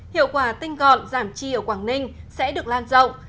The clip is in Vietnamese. hiệu quả tinh gọn giảm chi ở quảng ninh sẽ được lan rộng